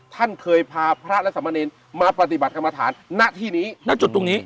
ท่านเคยพาพระและสมเนรมาปฏิบัติกรรมฐานณที่นี้ณจุดตรงนี้